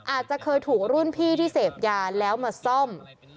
อาจจะเคยถูกรุ่นพี่ที่เสพยาแล้วมาซ่อม